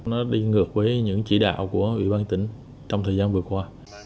nó đi ngược với những chỉ đạo của ủy ban nhân dân tỉnh trong thời gian vừa qua